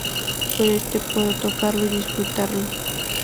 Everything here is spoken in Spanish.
Pero este puedo tocarlo y disfrutarlo.